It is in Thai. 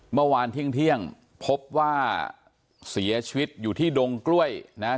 เมื่อวานเที่ยงพบว่าเสียชีวิตอยู่ที่ดงกล้วยนะฮะ